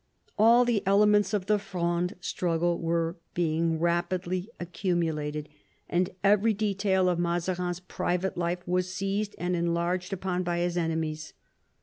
All the elements of the Fronde struggle were being rapidly accumulated, and every detail of Mazarin's private life was seized and enlarged upon by his enemies.